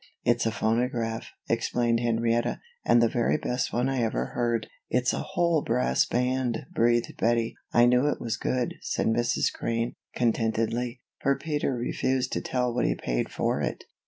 "It's a phonograph," explained Henrietta, "and the very best one I ever heard." "It's a whole brass band," breathed Bettie. "I knew it was good," said Mrs. Crane, contentedly, "for Peter refused to tell what he paid for it."